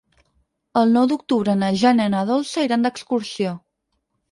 El nou d'octubre na Jana i na Dolça iran d'excursió.